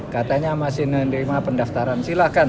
katanya masih menerima pendaftaran silahkan